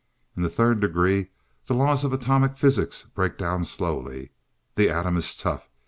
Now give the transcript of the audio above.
In the Third Degree, the laws of atomic physics break down slowly. The atom is tough.